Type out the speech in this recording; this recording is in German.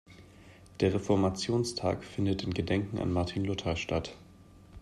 Der Reformationstag findet in Gedenken an Martin Luther statt.